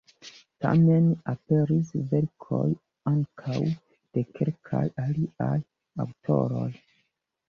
Tamen aperis verkoj ankaŭ de kelkaj aliaj aŭtoroj.